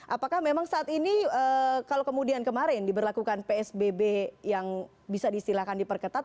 apakah memang saat ini kalau kemudian kemarin diberlakukan psbb yang bisa disilahkan diperketat